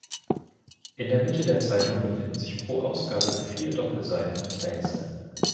In der Mitte der Zeitung befinden sich pro Ausgabe vier Doppelseiten mit Rätseln.